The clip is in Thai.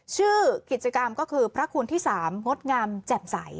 ชื่อกิจกรรมก็คือพระคุณที่๓งดงามแจ่มใส